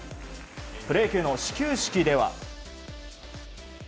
プロ野球の始球式では。